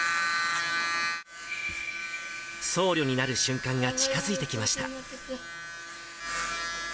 僧侶になる瞬間が近づいてきました。